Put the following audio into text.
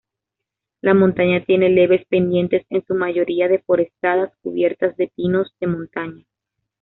La montaña tiene leves pendientes, en su mayoría deforestadas, cubiertas de pinos de montaña.